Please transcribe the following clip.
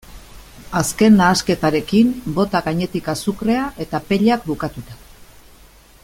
Azken nahasketarekin, bota gainetik azukrea eta pellak bukatuta.